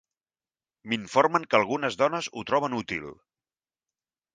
M'informen que algunes dones ho troben útil.